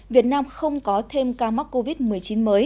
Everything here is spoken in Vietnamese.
việt nam không có thêm ca mắc covid một mươi chín mới